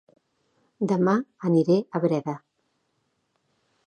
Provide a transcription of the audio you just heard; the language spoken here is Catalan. Dema aniré a Breda